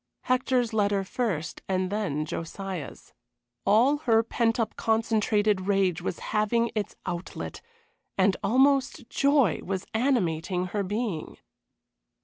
Hector's letter first and then Josiah's. All her pent up, concentrated rage was having its outlet, and almost joy was animating her being.